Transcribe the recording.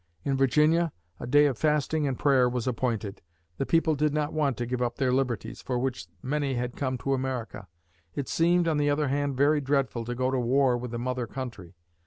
In Virginia, a day of fasting and prayer was appointed. The people did not want to give up their liberties, for which many had come to America. It seemed, on the other hand, very dreadful to go to war with the mother country.